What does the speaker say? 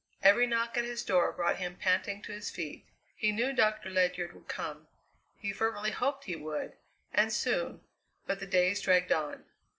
Every knock at his door brought him panting to his feet. He knew Doctor Ledyard would come; he fervently hoped he would, and soon, but the days dragged on.